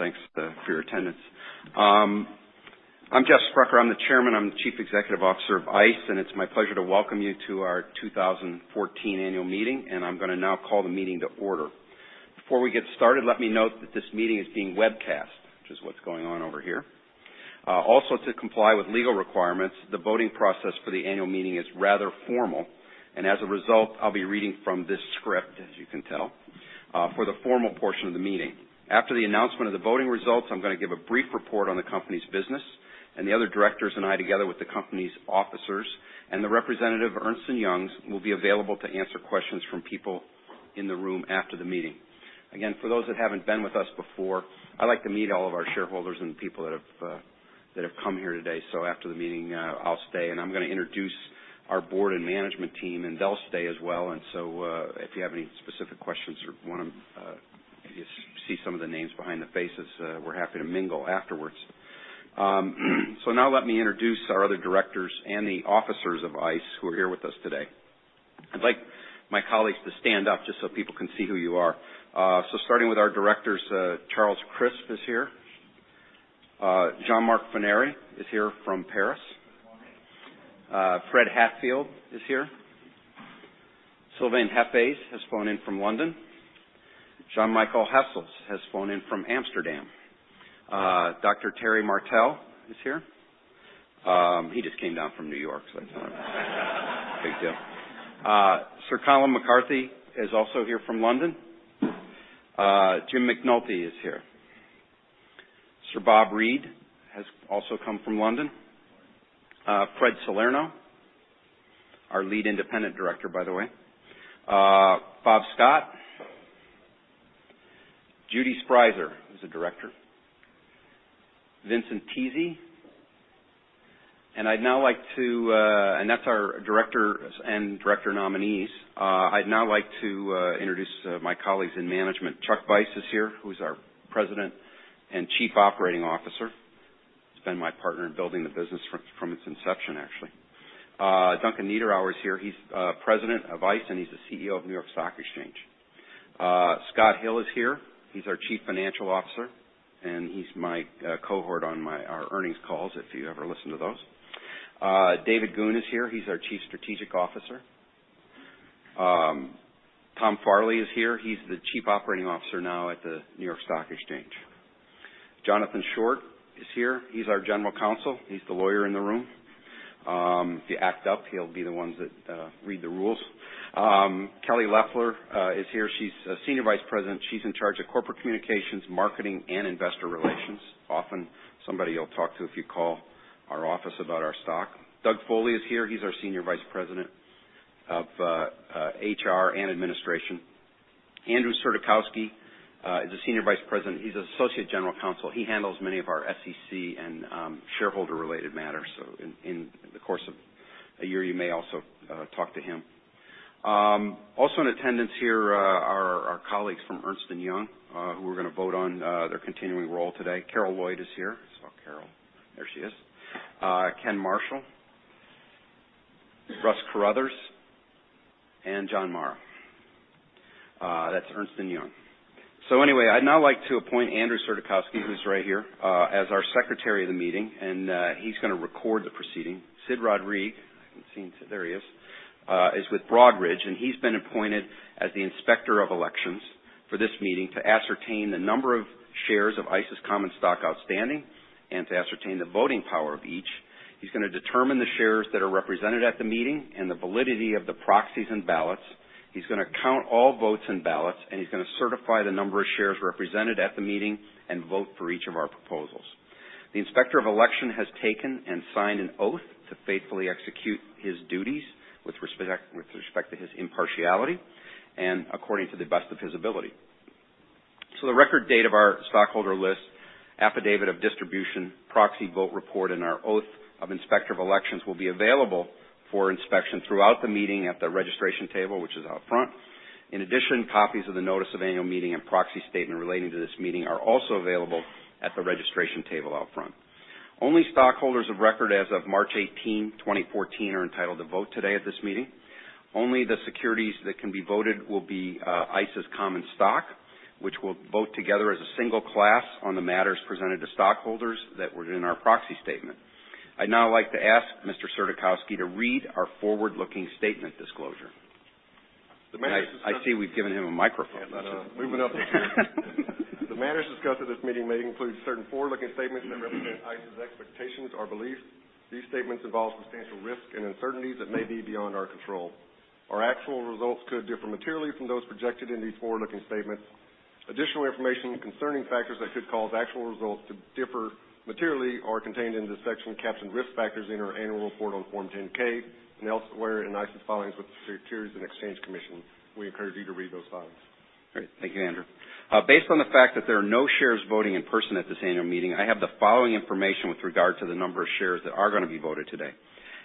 Thanks for your attendance. I'm Jeffrey Sprecher. I'm the Chairman, I'm the Chief Executive Officer of ICE, it's my pleasure to welcome you to our 2014 annual meeting, I'm going to now call the meeting to order. Before we get started, let me note that this meeting is being webcast, which is what's going on over here. To comply with legal requirements, the voting process for the annual meeting is rather formal, as a result, I'll be reading from this script, as you can tell, for the formal portion of the meeting. After the announcement of the voting results, I'm going to give a brief report on the company's business, the other directors and I, together with the company's officers and the representative of Ernst & Young, will be available to answer questions from people in the room after the meeting. Again, for those that haven't been with us before, I like to meet all of our shareholders and people that have come here today. After the meeting, I'll stay and I'm going to introduce our board and management team, and they'll stay as well. If you have any specific questions or want to see some of the names behind the faces, we're happy to mingle afterwards. Now let me introduce our other directors and the officers of ICE who are here with us today. I'd like my colleagues to stand up just so people can see who you are. Starting with our directors, Charles Crisp is here. Jean-Marc Forneri is here from Paris. Good morning. Fred Hatfield is here. Sylvain Hefes has flown in from London. Jan-Michiel Hessels has flown in from Amsterdam. Dr. Terrence Martell is here. He just came down from New York. Big deal. Sir Colin McCarthy is also here from London. James McNulty is here. Sir Robert Reid has also come from London. Frederic Salerno, our Lead Independent Director, by the way. Robert Scott. Judith Sprieser, who's a Director. Vincent Tese. That's our directors and Director nominees. I'd now like to introduce my colleagues in management. Chuck Vice is here, who's our President and Chief Operating Officer. He's been my partner in building the business from its inception, actually. Duncan Niederauer is here. He's President of ICE, he's the CEO of New York Stock Exchange. Scott Hill is here. He's our Chief Financial Officer, he's my cohort on our earnings calls, if you ever listen to those. David Goone is here. He's our Chief Strategic Officer. Tom Farley is here. He's the Chief Operating Officer now at the New York Stock Exchange. Jonathan Short is here. He's our General Counsel. He's the lawyer in the room. If you act up, he'll be the one that read the rules. Kelly Loeffler is here. She's Senior Vice President. She's in charge of corporate communications, marketing, and investor relations. Often somebody you'll talk to if you call our office about our stock. Doug Foley is here. He's our Senior Vice President of HR and Administration. Andrew Surdykowski is a Senior Vice President. He's Associate General Counsel. He handles many of our SEC and shareholder-related matters. In the course of a year, you may also talk to him. Also in attendance here are our colleagues from Ernst & Young, who are going to vote on their continuing role today. Carol Lloyd is here. I saw Carol. There she is. Ken Marshall, Russ Carruthers, and John Mara. That's Ernst & Young. I'd now like to appoint Andrew Surdykowski, who's right here, as our Secretary of the Meeting, and he's going to record the proceeding. Sid Rodrigue, I haven't seen Sid. There he is. Is with Broadridge, and he's been appointed as the Inspector of Elections for this meeting to ascertain the number of shares of ICE's common stock outstanding and to ascertain the voting power of each. He's going to determine the shares that are represented at the meeting and the validity of the proxies and ballots. He's going to count all votes and ballots, and he's going to certify the number of shares represented at the meeting and vote for each of our proposals. The Inspector of Election has taken and signed an oath to faithfully execute his duties with respect to his impartiality and according to the best of his ability. The record date of our stockholder list, affidavit of distribution, proxy vote report, and our oath of Inspector of Elections will be available for inspection throughout the meeting at the registration table, which is out front. In addition, copies of the notice of annual meeting and proxy statement relating to this meeting are also available at the registration table out front. Only stockholders of record as of March 18, 2014, are entitled to vote today at this meeting. Only the securities that can be voted will be ICE's common stock, which will vote together as a single class on the matters presented to stockholders that were in our proxy statement. I'd now like to ask Mr. Surdykowski to read our forward-looking statement disclosure. The matters. I see we've given him a microphone. Yeah. Moving up here. The matters discussed at this meeting may include certain forward-looking statements that represent ICE's expectations or beliefs. These statements involve substantial risks and uncertainties that may be beyond our control. Our actual results could differ materially from those projected in these forward-looking statements. Additional information concerning factors that could cause actual results to differ materially are contained in the section captioned Risk Factors in our annual report on Form 10-K and elsewhere in ICE's filings with the Securities and Exchange Commission. We encourage you to read those filings. Great. Thank you, Andrew. Based on the fact that there are no shares voting in person at this annual meeting, I have the following information with regard to the number of shares that are going to be voted today.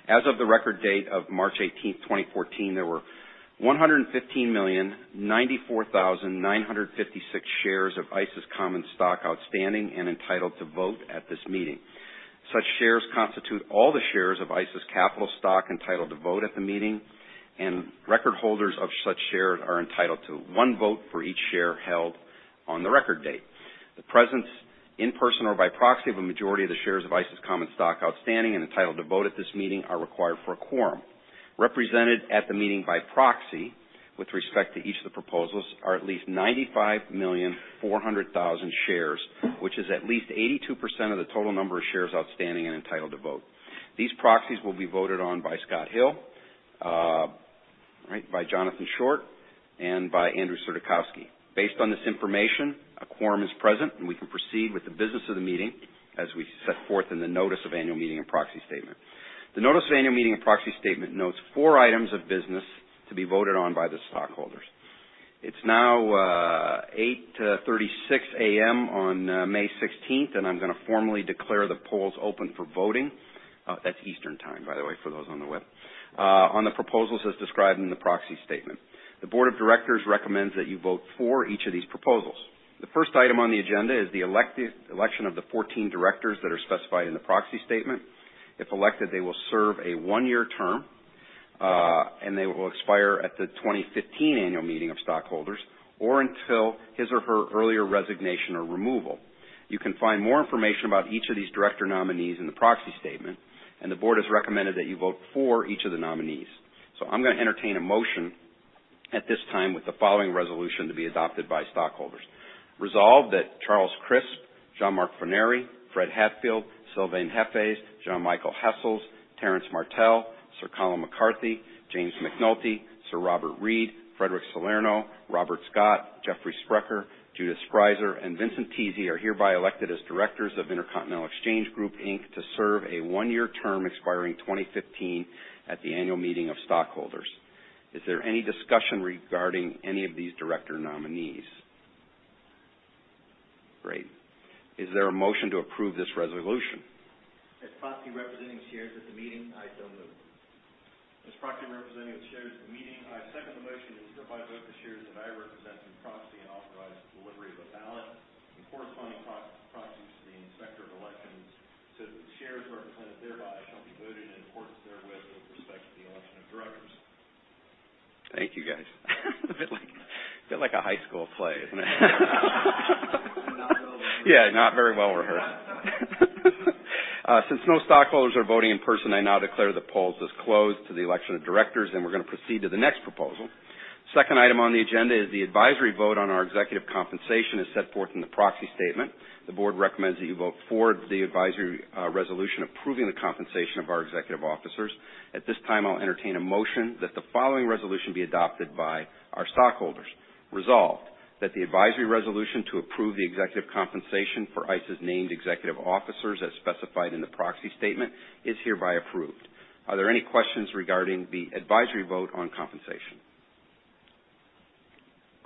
As of the record date of March 18th, 2014, there were 115,094,956 shares of ICE's common stock outstanding and entitled to vote at this meeting. Such shares constitute all the shares of ICE's capital stock entitled to vote at the meeting, and record holders of such shares are entitled to one vote for each share held on the record date. The presence in person or by proxy of a majority of the shares of ICE's common stock outstanding and entitled to vote at this meeting are required for a quorum. Represented at the meeting by proxy, with respect to each of the proposals, are at least 95,400,000 shares, which is at least 82% of the total number of shares outstanding and entitled to vote. These proxies will be voted on by Scott Hill, by Johnathan Short, and by Andrew J. Surdykowski. Based on this information, a quorum is present, and we can proceed with the business of the meeting as we set forth in the notice of annual meeting and proxy statement. The notice of annual meeting and proxy statement notes four items of business to be voted on by the stockholders. It's now 8:36 A.M. on May 16th, and I'm going to formally declare the polls open for voting. That's Eastern Time, by the way, for those on the web. On the proposals as described in the proxy statement. The board of directors recommends that you vote for each of these proposals. The first item on the agenda is the election of the 14 directors that are specified in the proxy statement. If elected, they will serve a one-year term, and they will expire at the 2015 annual meeting of stockholders or until his or her earlier resignation or removal. You can find more information about each of these director nominees in the proxy statement, and the board has recommended that you vote for each of the nominees. I'm going to entertain a motion at this time with the following resolution to be adopted by stockholders. Resolved that Charles Crisp, Jean-Marc Forneri, Fred Hatfield, Sylvain Hefes, Jan-Michiel Hessels, Terrence Martell, Sir Colin McCarthy, James McNulty, Sir Robert Reid, Frederic Salerno, Robert Scott, Jeffrey Sprecher, Judith Sprieser, and Vincent Tese are hereby elected as directors of IntercontinentalExchange Group, Inc. to serve a one-year term expiring 2015 at the annual meeting of stockholders. Is there any discussion regarding any of these director nominees? Great. Is there a motion to approve this resolution? As proxy representing the shares at the meeting, I so move. As proxy representing the shares at the meeting, I second the motion and hereby vote the shares that I represent in proxy and authorize the delivery of a ballot and corresponding proxies to the inspector of elections so that the shares represented thereby shall be voted in accordance therewith with respect to the election of directors. Thank you, guys. A bit like a high school play, isn't it? Not well rehearsed. Yeah, not very well rehearsed. Since no stockholders are voting in person, I now declare the polls as closed to the election of directors, and we're going to proceed to the next proposal. Second item on the agenda is the advisory vote on our executive compensation as set forth in the proxy statement. The board recommends that you vote for the advisory resolution approving the compensation of our executive officers. At this time, I'll entertain a motion that the following resolution be adopted by our stockholders. Resolved, that the advisory resolution to approve the executive compensation for ICE's named executive officers as specified in the proxy statement is hereby approved. Are there any questions regarding the advisory vote on compensation?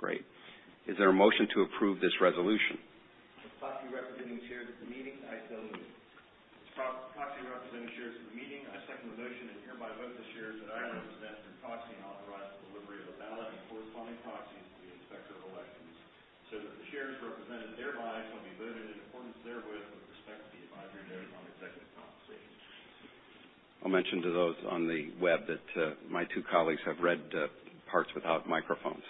Great. Is there a motion to approve this resolution? As proxy representing the shares at the meeting, I so move. As proxy representing the shares at the meeting, I second the motion and hereby vote the shares that I represent in proxy and authorize the delivery of a ballot and corresponding proxies to the inspector of elections so that the shares represented thereby shall be voted in accordance therewith with respect to the advisory vote on executive compensation. I'll mention to those on the web that my two colleagues have read parts without microphones.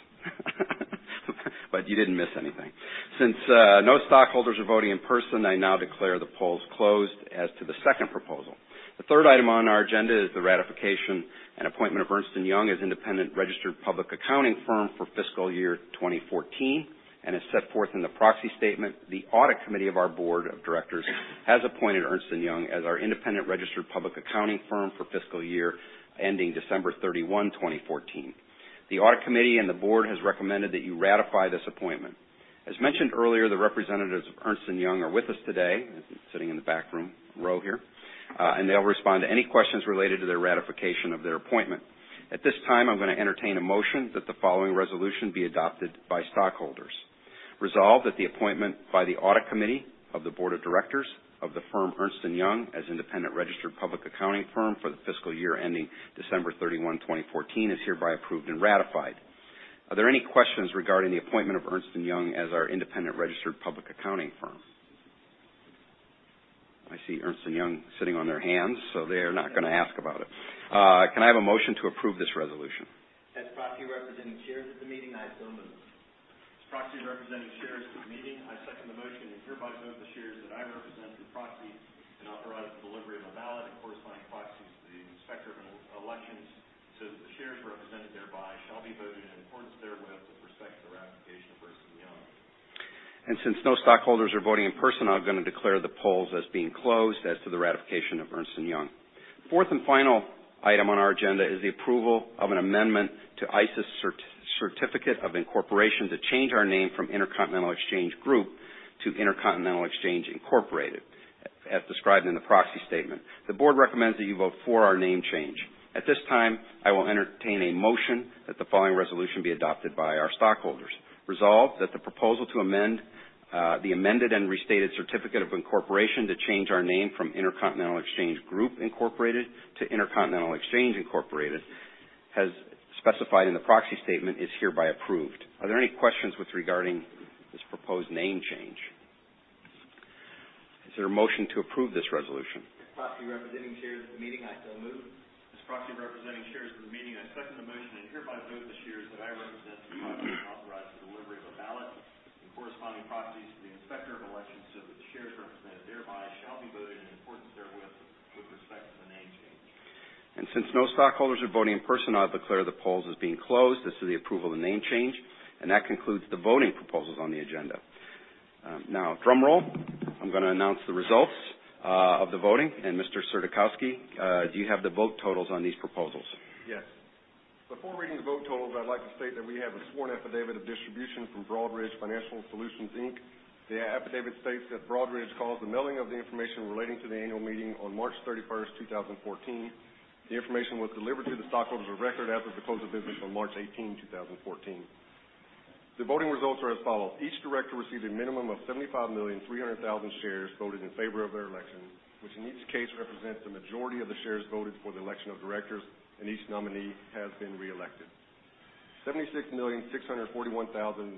You didn't miss anything. Since no stockholders are voting in person, I now declare the polls closed as to the second proposal. The third item on our agenda is the ratification and appointment of Ernst & Young as independent registered public accounting firm for fiscal year 2014, as set forth in the proxy statement. The audit committee of our board of directors has appointed Ernst & Young as our independent registered public accounting firm for fiscal year ending December 31, 2014. The audit committee and the board has recommended that you ratify this appointment. As mentioned earlier, the representatives of Ernst & Young are with us today, sitting in the back row here, and they'll respond to any questions related to their ratification of their appointment. At this time, I'm going to entertain a motion that the following resolution be adopted by stockholders. Resolved at the appointment by the audit committee of the board of directors of the firm Ernst & Young as independent registered public accounting firm for the fiscal year ending December 31, 2014, is hereby approved and ratified. Are there any questions regarding the appointment of Ernst & Young as our independent registered public accounting firm? I see Ernst & Young sitting on their hands, they're not going to ask about it. Can I have a motion to approve this resolution? As proxy representing the shares at the meeting, I so move. As proxy representing the shares at the meeting, I second the motion and hereby vote the shares that I represent in proxy and authorize the delivery of a ballot and corresponding proxies to the inspector of elections so that the shares represented thereby shall be voted in accordance therewith with respect to the ratification of Ernst & Young. Since no stockholders are voting in person, I'm going to declare the polls as being closed as to the ratification of Ernst & Young. Fourth and final item on our agenda is the approval of an amendment to ICE's certificate of incorporation to change our name from IntercontinentalExchange Group to Intercontinental Exchange, Inc., as described in the proxy statement. The board recommends that you vote for our name change. At this time, I will entertain a motion that the following resolution be adopted by our stockholders. Resolved that the proposal to amend the amended and restated certificate of incorporation to change our name from IntercontinentalExchange Group, Inc. to Intercontinental Exchange, Inc., as specified in the proxy statement, is hereby approved. Are there any questions regarding proposed name change. Is there a motion to approve this resolution? As proxy representing shares at the meeting, I so move. As proxy representing shares at the meeting, I second the motion and hereby vote the shares that I represent to authorize the delivery of a ballot and corresponding proxies to the Inspector of Elections so that the shares represented thereby shall be voted in accordance therewith with respect to the name change. Since no stockholders are voting in person, I'll declare the polls as being closed as to the approval of the name change, that concludes the voting proposals on the agenda. Drum roll, I'm going to announce the results of the voting, Mr. Surdykowski, do you have the vote totals on these proposals? Yes. Before reading the vote totals, I'd like to state that we have a sworn affidavit of distribution from Broadridge Financial Solutions, Inc. The affidavit states that Broadridge caused the mailing of the information relating to the annual meeting on March 31, 2014. The information was delivered to the stockholders of record after the close of business on March 18, 2014. The voting results are as follows: Each director received a minimum of 75,300,000 shares voted in favor of their election, which in each case represents the majority of the shares voted for the election of directors, and each nominee has been reelected. 76,641,195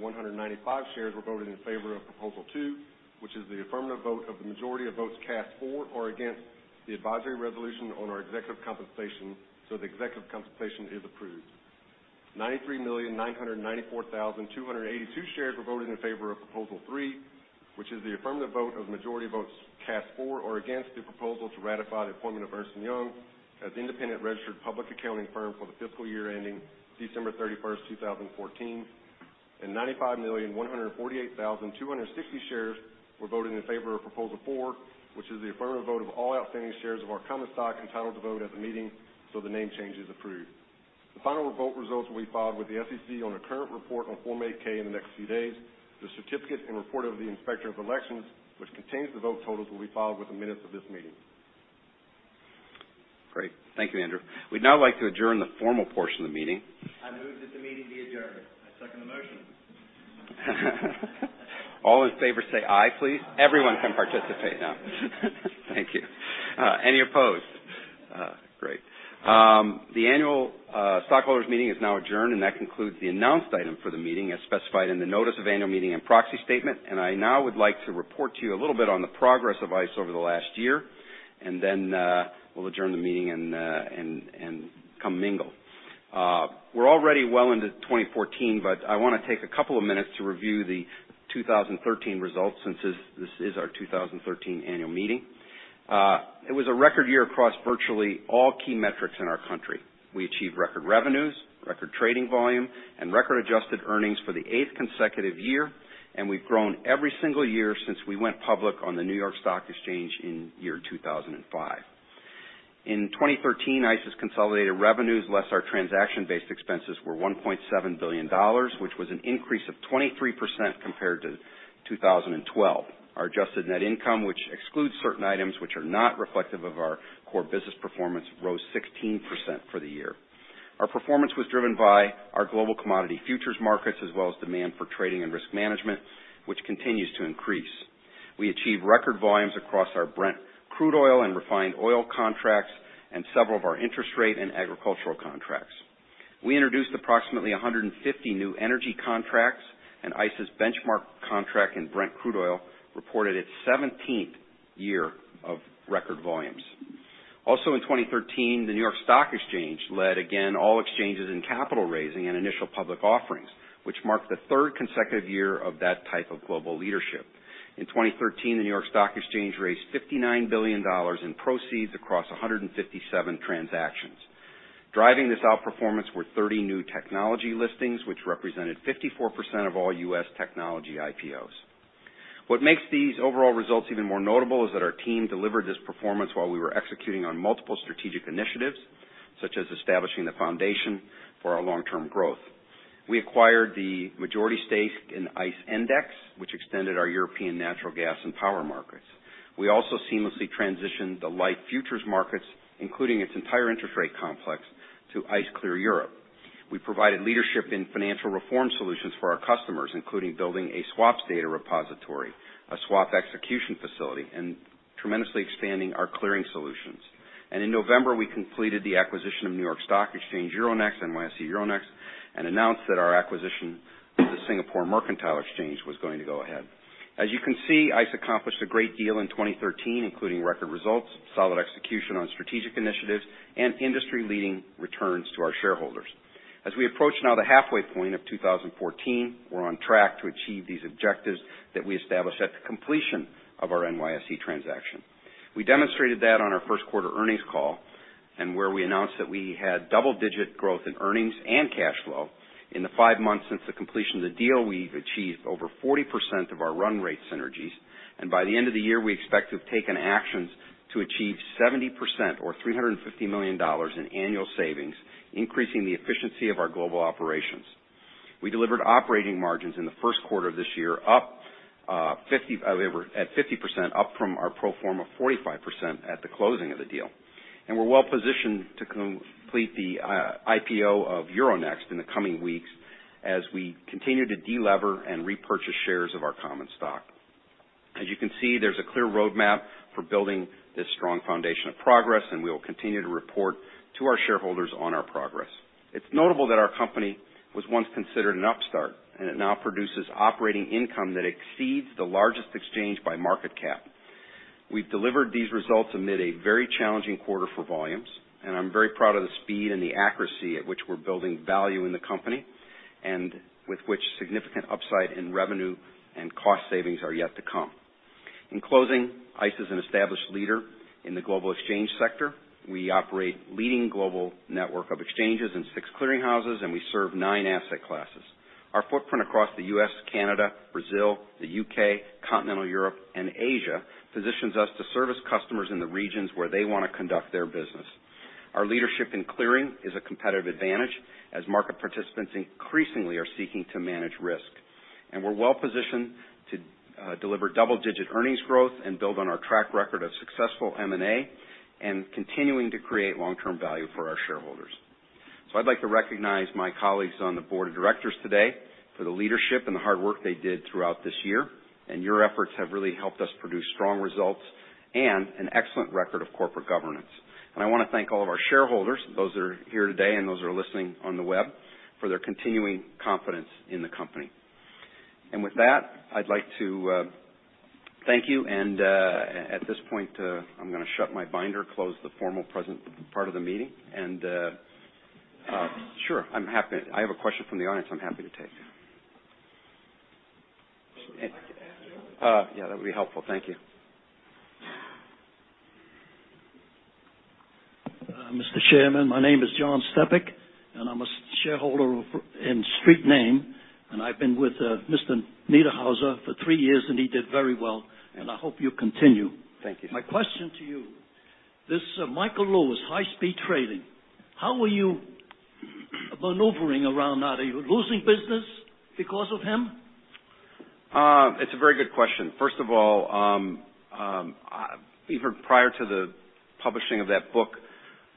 shares were voted in favor of Proposal 2, which is the affirmative vote of the majority of votes cast for or against the advisory resolution on our executive compensation. The executive compensation is approved. 93,994,282 shares were voted in favor of Proposal 3, which is the affirmative vote of the majority of votes cast for or against the proposal to ratify the appointment of Ernst & Young as the independent registered public accounting firm for the fiscal year ending December 31, 2014. 95,148,260 shares were voted in favor of Proposal 4, which is the affirmative vote of all outstanding shares of our common stock entitled to vote at the meeting, the name change is approved. The final vote results will be filed with the SEC on a current report on Form 8-K in the next few days. The certificate and report of the Inspector of Elections, which contains the vote totals, will be filed with the minutes of this meeting. Great. Thank you, Andrew. We'd now like to adjourn the formal portion of the meeting. I move that the meeting be adjourned. I second the motion. All in favor say "aye," please. Aye. Everyone can participate now. Thank you. Any opposed? Great. The annual stockholders meeting is now adjourned. That concludes the announced item for the meeting as specified in the notice of annual meeting and proxy statement. I now would like to report to you a little bit on the progress of Intercontinental Exchange over the last year. Then we'll adjourn the meeting and come mingle. We're already well into 2014. I want to take a couple of minutes to review the 2013 results since this is our 2013 annual meeting. It was a record year across virtually all key metrics in our company. We achieved record revenues, record trading volume, and record-adjusted earnings for the eighth consecutive year. We've grown every single year since we went public on the New York Stock Exchange in 2005. In 2013, Intercontinental Exchange's consolidated revenues less our transaction-based expenses were $1.7 billion, which was an increase of 23% compared to 2012. Our adjusted net income, which excludes certain items which are not reflective of our core business performance, rose 16% for the year. Our performance was driven by our global commodity futures markets as well as demand for trading and risk management, which continues to increase. We achieved record volumes across our Brent Crude oil and refined oil contracts and several of our interest rate and agricultural contracts. We introduced approximately 150 new energy contracts. Intercontinental Exchange's benchmark contract in Brent Crude oil reported its 17th year of record volumes. Also in 2013, the New York Stock Exchange led again all exchanges in capital raising and initial public offerings, which marked the third consecutive year of that type of global leadership. In 2013, the New York Stock Exchange raised $59 billion in proceeds across 157 transactions. Driving this outperformance were 30 new technology listings, which represented 54% of all U.S. technology IPOs. What makes these overall results even more notable is that our team delivered this performance while we were executing on multiple strategic initiatives, such as establishing the foundation for our long-term growth. We acquired the majority stake in ICE Endex, which extended our European natural gas and power markets. We also seamlessly transitioned the Liffe Futures markets, including its entire interest rate complex, to ICE Clear Europe. We provided leadership in financial reform solutions for our customers, including building a swaps data repository, a swap execution facility, and tremendously expanding our clearing solutions. In November, we completed the acquisition of NYSE Euronext and announced that our acquisition of the Singapore Mercantile Exchange was going to go ahead. As you can see, Intercontinental Exchange accomplished a great deal in 2013, including record results, solid execution on strategic initiatives, and industry-leading returns to our shareholders. As we approach now the halfway point of 2014, we're on track to achieve these objectives that we established at the completion of our NYSE transaction. We demonstrated that on our first quarter earnings call where we announced that we had double-digit growth in earnings and cash flow. In the five months since the completion of the deal, we've achieved over 40% of our run rate synergies. By the end of the year, we expect to have taken actions to achieve 70%, or $350 million in annual savings, increasing the efficiency of our global operations. We delivered operating margins in the first quarter of this year at 50%, up from our pro forma 45% at the closing of the deal, and we're well-positioned to complete the IPO of Euronext in the coming weeks as we continue to de-lever and repurchase shares of our common stock. As you can see, there's a clear roadmap for building this strong foundation of progress, and we will continue to report to our shareholders on our progress. It's notable that our company was once considered an upstart, and it now produces operating income that exceeds the largest exchange by market cap. We've delivered these results amid a very challenging quarter for volumes, and I'm very proud of the speed and the accuracy at which we're building value in the company, and with which significant upside in revenue and cost savings are yet to come. In closing, ICE is an established leader in the global exchange sector. We operate leading global network of exchanges and six clearing houses, and we serve nine asset classes. Our footprint across the U.S., Canada, Brazil, the U.K., Continental Europe, and Asia positions us to service customers in the regions where they want to conduct their business. Our leadership in clearing is a competitive advantage as market participants increasingly are seeking to manage risk. We're well positioned to deliver double-digit earnings growth and build on our track record of successful M&A and continuing to create long-term value for our shareholders. I'd like to recognize my colleagues on the Board of Directors today for the leadership and the hard work they did throughout this year, and your efforts have really helped us produce strong results and an excellent record of corporate governance. I want to thank all of our shareholders, those that are here today and those that are listening on the web, for their continuing confidence in the company. With that, I'd like to thank you, and at this point, I'm going to shut my binder, close the formal part of the meeting. Sure. I have a question from the audience I'm happy to take. Would you like the mic to pass to him? Yeah, that would be helpful. Thank you. Mr. Chairman, my name is John Stepick, and I'm a shareholder in Street Name, and I've been with Mr. Niederauer for three years, and he did very well, and I hope you continue. Thank you. My question to you, this Michael Lewis, "high-speed trading," how are you maneuvering around that? Are you losing business because of him? It's a very good question. First of all, even prior to the publishing of that book,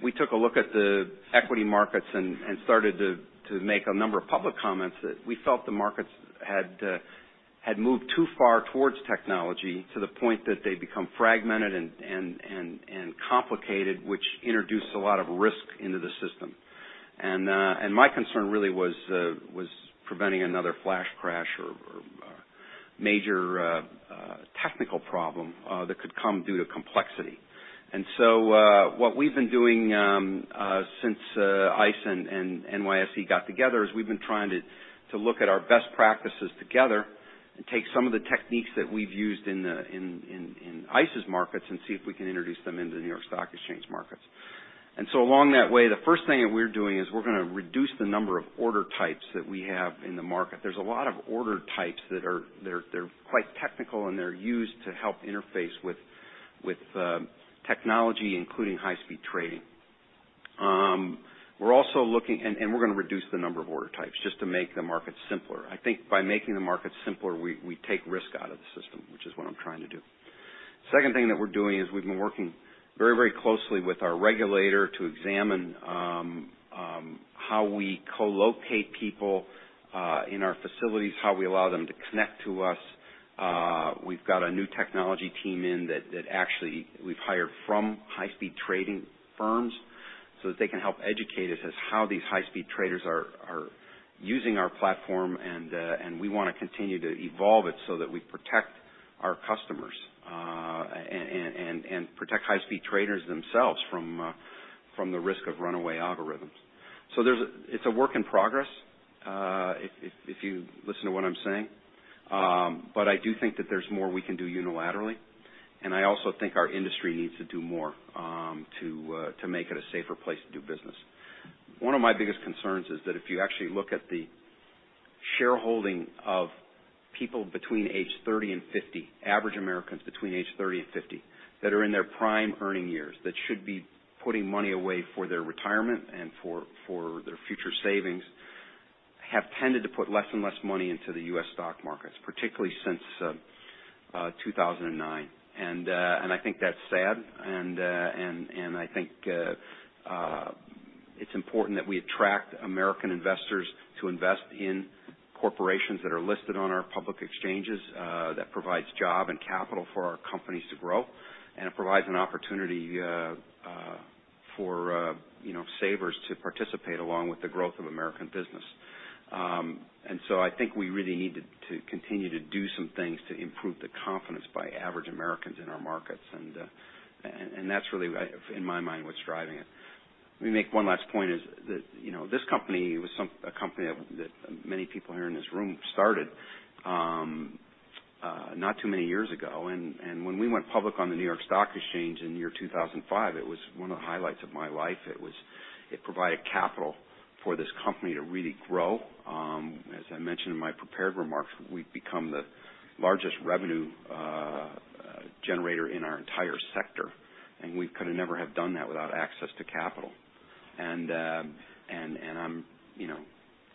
we took a look at the equity markets and started to make a number of public comments that we felt the markets had moved too far towards technology to the point that they become fragmented and complicated, which introduced a lot of risk into the system. My concern really was preventing another flash crash or major technical problem that could come due to complexity. What we've been doing since ICE and NYSE got together is we've been trying to look at our best practices together and take some of the techniques that we've used in ICE's markets and see if we can introduce them into the New York Stock Exchange markets. Along that way, the first thing that we're doing is we're going to reduce the number of order types that we have in the market. There's a lot of order types that are quite technical, and they're used to help interface with technology, including high-speed trading. We're going to reduce the number of order types just to make the market simpler. I think by making the market simpler, we take risk out of the system, which is what I'm trying to do. Second thing that we're doing is we've been working very closely with our regulator to examine how we co-locate people, in our facilities, how we allow them to connect to us. We've got a new technology team in that actually we've hired from high-speed trading firms so that they can help educate us as how these high-speed traders are using our platform and we want to continue to evolve it so that we protect our customers, and protect high-speed traders themselves from the risk of runaway algorithms. It's a work in progress, if you listen to what I'm saying, but I do think that there's more we can do unilaterally, I also think our industry needs to do more to make it a safer place to do business. One of my biggest concerns is that if you actually look at the shareholding of people between age 30 and 50, average Americans between age 30 and 50, that are in their prime earning years, that should be putting money away for their retirement and for their future savings, have tended to put less and less money into the U.S. stock markets, particularly since 2009. I think that's sad, I think it's important that we attract American investors to invest in corporations that are listed on our public exchanges, that provides job and capital for our companies to grow, and it provides an opportunity for savers to participate along with the growth of American business. I think we really need to continue to do some things to improve the confidence by average Americans in our markets, that's really, in my mind, what's driving it. Let me make one last point is that this company was a company that many people here in this room started not too many years ago. When we went public on the New York Stock Exchange in the year 2005, it was one of the highlights of my life. It provided capital for this company to really grow. As I mentioned in my prepared remarks, we've become the largest revenue generator in our entire sector, and we could have never have done that without access to capital. I'm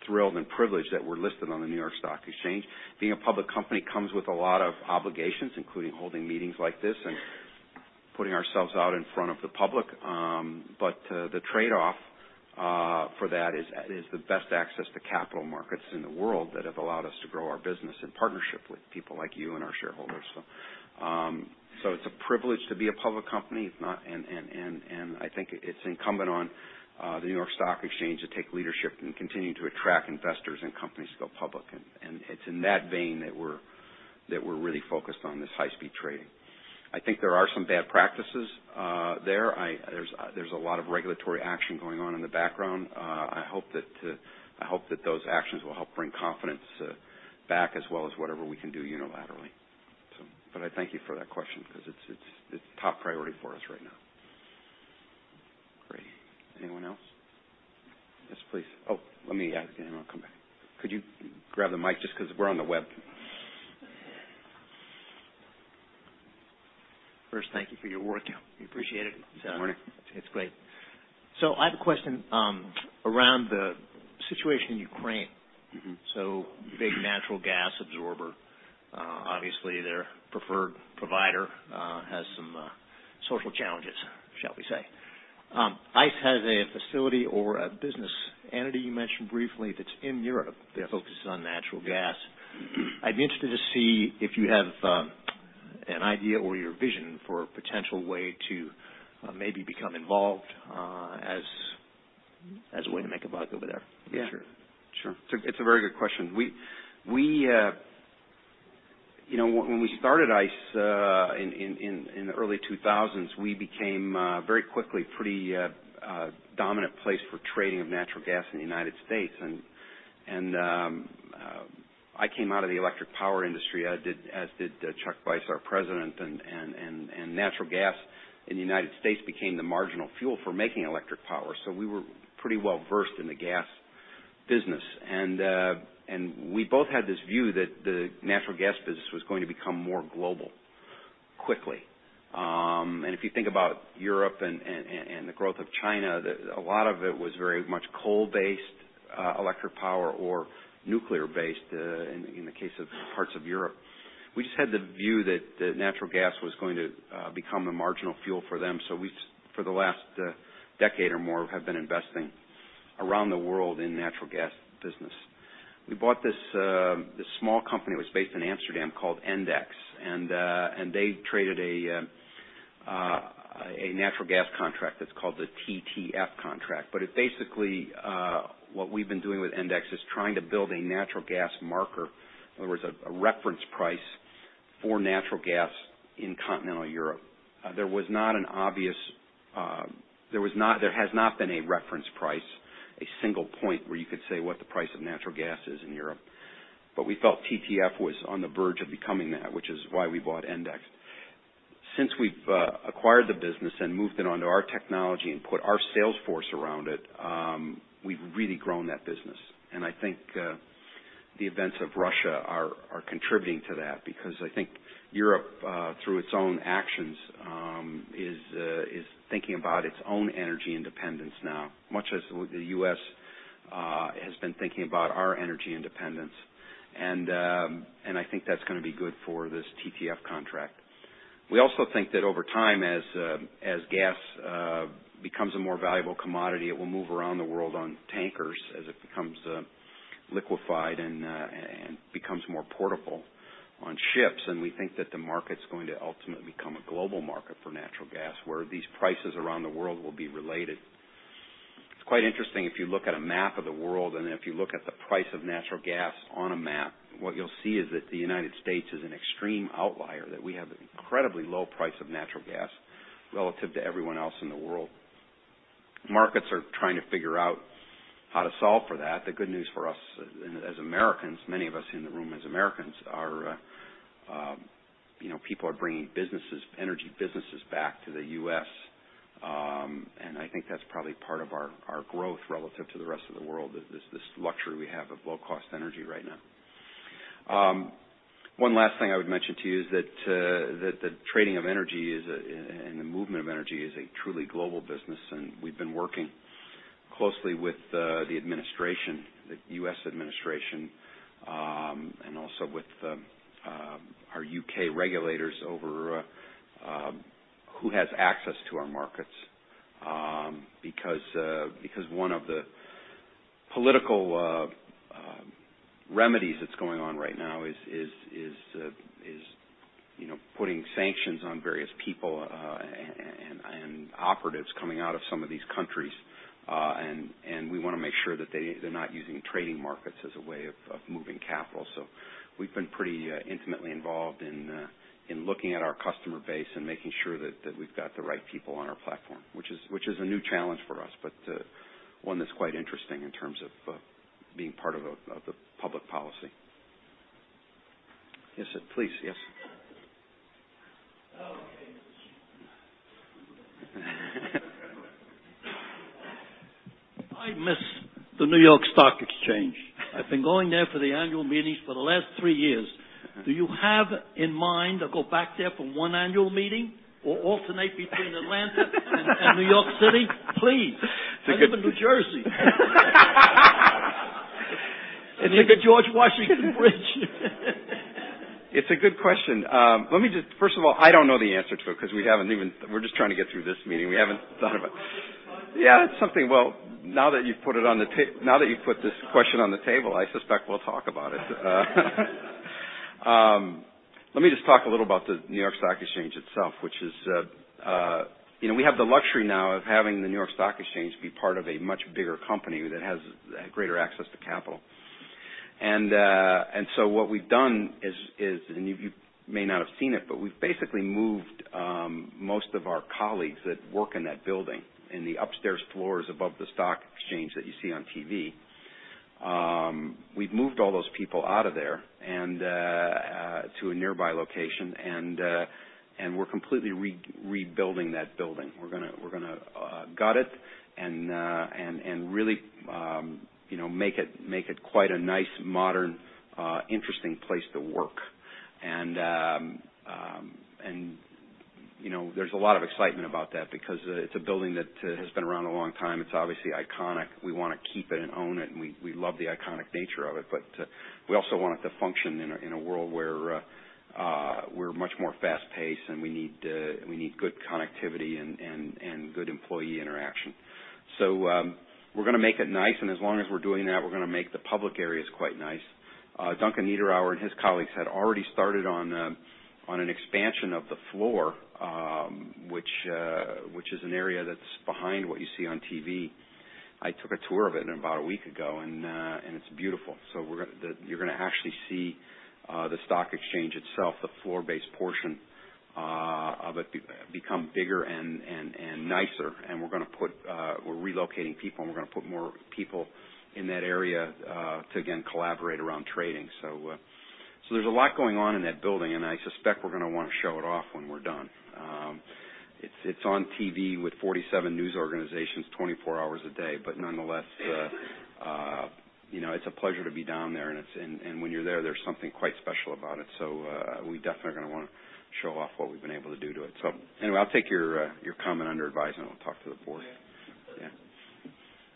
thrilled and privileged that we're listed on the New York Stock Exchange. Being a public company comes with a lot of obligations, including holding meetings like this and putting ourselves out in front of the public. The trade-off for that is the best access to capital markets in the world that have allowed us to grow our business in partnership with people like you and our shareholders. It's a privilege to be a public company, and I think it's incumbent on the New York Stock Exchange to take leadership and continue to attract investors and companies to go public. It's in that vein that we're really focused on this high-speed trading. I think there are some bad practices there. There's a lot of regulatory action going on in the background. I hope that those actions will help bring confidence back as well as whatever we can do unilaterally. I thank you for that question because it's top priority for us right now. Great. Anyone else? Yes, please. Oh, let me ask, and then I'll come back. Could you grab the mic just because we're on the web? First, thank you for your work. We appreciate it. Good morning. It's great. I have a question around the situation in Ukraine. Big natural gas absorber. Obviously, their preferred provider has some social challenges, shall we say. ICE has a facility or a business entity you mentioned briefly that's in Europe that focuses on natural gas. I'd be interested to see if you have an idea or your vision for a potential way to maybe become involved as a way to make a buck over there. It's a very good question. When we started ICE in the early 2000s, we became very quickly pretty dominant place for trading of natural gas in the United States. I came out of the electric power industry, as did Chuck Vice, our President, and natural gas in the United States became the marginal fuel for making electric power. We were pretty well-versed in the gas business. We both had this view that the natural gas business was going to become more global quickly. If you think about Europe and the growth of China, a lot of it was very much coal-based electric power or nuclear-based, in the case of parts of Europe. We just had the view that natural gas was going to become a marginal fuel for them. We, for the last decade or more, have been investing around the world in natural gas business. We bought this small company that was based in Amsterdam called Endex, and they traded a natural gas contract that's called the TTF contract. It basically, what we've been doing with Endex is trying to build a natural gas marker. In other words, a reference price for natural gas in continental Europe. There has not been a reference price, a single point where you could say what the price of natural gas is in Europe. We felt TTF was on the verge of becoming that, which is why we bought Endex. Since we've acquired the business and moved it onto our technology and put our sales force around it, we've really grown that business. I think the events of Russia are contributing to that because I think Europe, through its own actions, is thinking about its own energy independence now, much as the U.S. has been thinking about our energy independence. I think that's going to be good for this TTF contract. We also think that over time, as gas becomes a more valuable commodity, it will move around the world on tankers as it becomes liquefied and becomes more portable on ships. We think that the market's going to ultimately become a global market for natural gas, where these prices around the world will be related. It's quite interesting if you look at a map of the world, and if you look at the price of natural gas on a map, what you'll see is that the United States is an extreme outlier. That we have incredibly low price of natural gas relative to everyone else in the world. Markets are trying to figure out how to solve for that. The good news for us as Americans, many of us in the room as Americans are people are bringing energy businesses back to the U.S., I think that's probably part of our growth relative to the rest of the world, is this luxury we have of low-cost energy right now. One last thing I would mention to you is that the trading of energy and the movement of energy is a truly global business. We've been working closely with the U.S. administration, also with our U.K. regulators over who has access to our markets. One of the political remedies that's going on right now is putting sanctions on various people and operatives coming out of some of these countries. We want to make sure that they're not using trading markets as a way of moving capital. We've been pretty intimately involved in looking at our customer base and making sure that we've got the right people on our platform, which is a new challenge for us, but one that's quite interesting in terms of being part of the public policy. Yes, sir. Please. Yes. Okay. I miss the New York Stock Exchange. I've been going there for the annual meetings for the last three years. Do you have in mind to go back there for one annual meeting or alternate between Atlanta and New York City? Please. I live in New Jersey. Take the George Washington Bridge. It's a good question. First of all, I don't know the answer to it because we're just trying to get through this meeting. We haven't thought about. We'll talk about it. Yeah, well, now that you've put this question on the table, I suspect we'll talk about it. Let me just talk a little about the New York Stock Exchange itself. We have the luxury now of having the New York Stock Exchange be part of a much bigger company that has greater access to capital. So what we've done is, and you may not have seen it, but we've basically moved most of our colleagues that work in that building, in the upstairs floors above the stock exchange that you see on TV, we've moved all those people out of there and to a nearby location, and we're completely rebuilding that building. We're going to gut it and really make it quite a nice, modern, interesting place to work. There's a lot of excitement about that because it's a building that has been around a long time. It's obviously iconic. We want to keep it and own it. We love the iconic nature of it. We also want it to function in a world where we're much more fast-paced, and we need good connectivity and good employee interaction. We're going to make it nice, and as long as we're doing that, we're going to make the public areas quite nice. Duncan Niederauer and his colleagues had already started on an expansion of the floor, which is an area that's behind what you see on TV. I took a tour of it about a week ago, and it's beautiful. You're going to actually see the stock exchange itself, the floor-based portion of it, become bigger and nicer, and we're relocating people, and we're going to put more people in that area to, again, collaborate around trading. There's a lot going on in that building, and I suspect we're going to want to show it off when we're done. It's on TV with 47 news organizations, 24 hours a day, but nonetheless, it's a pleasure to be down there, and when you're there's something quite special about it. We definitely are going to want to show off what we've been able to do to it. Anyway, I'll take your comment under advisement. I'll talk to the board. Yeah. Yeah.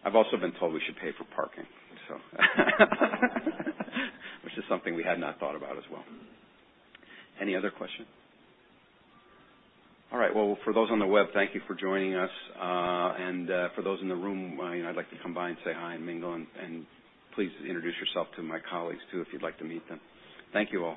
I've also been told we should pay for parking, so which is something we had not thought about as well. Any other questions? All right, well, for those on the web, thank you for joining us. For those in the room, I'd like to come by and say hi and mingle, and please introduce yourself to my colleagues, too, if you'd like to meet them. Thank you all.